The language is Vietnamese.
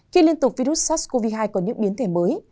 khi liên tục virus sars cov hai có những biến thể mới